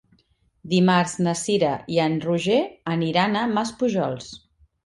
Dimarts na Cira i en Roger aniran a Maspujols.